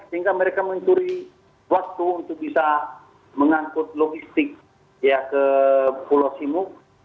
sehingga mereka mencuri waktu untuk bisa mengangkut logistik ke pulau simu